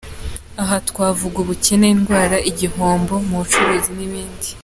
Aha twavuga ubukene, indwara, igihombo mu bucuruzi n’ibindi.